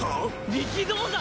力道山？